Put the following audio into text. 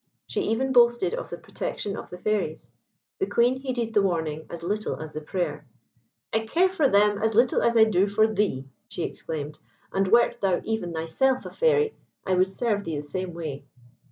She even boasted of the protection of the Fairies. The Queen heeded the warning as little as the prayer. "I care for them as little as I do for thee," she exclaimed, "and wert thou even thyself a Fairy, I would serve thee the same way."